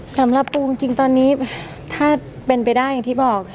สำหรับปูจริงตอนนี้ถ้าเป็นไปได้อย่างที่บอก